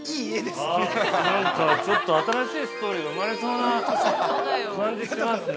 なんか、ちょっと新しいストーリーが生まれそうな感じしますね。